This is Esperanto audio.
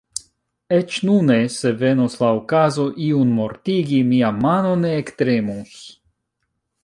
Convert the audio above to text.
Eĉ nune, se venus la okazo iun mortigi, mia mano ne ektremus.